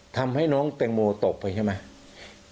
ทำให้น้องแตงโมตกไปใช่ไหม